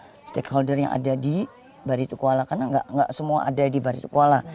dengan para stakeholder yang ada di baritukwala karena gak semua ada di baritukwala